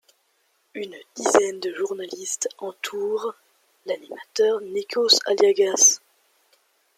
Une dizaine de journalistes entourent l'animateur Nikos Aliagas.